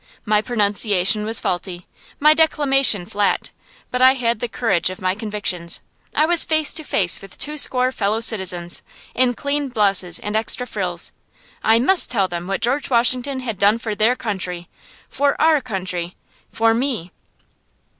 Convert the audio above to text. My pronunciation was faulty, my declamation flat. But I had the courage of my convictions. I was face to face with twoscore Fellow Citizens, in clean blouses and extra frills. I must tell them what George Washington had done for their country for our country for me.